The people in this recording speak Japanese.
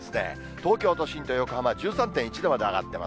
東京都心と横浜は１３．１度まで上がってます。